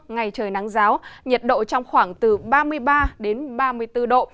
ngày trời nắng giáo nhiệt độ trong khoảng từ ba mươi ba đến ba mươi bốn độ